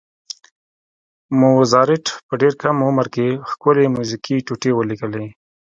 موزارټ په ډېر کم عمر کې ښکلې میوزیکي ټوټې ولیکلې.